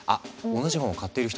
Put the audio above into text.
同じ本を買っている人がいる！